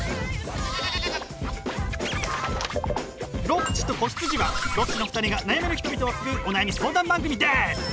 「ロッチと子羊」はロッチの２人が悩める人々を救うお悩み相談番組です！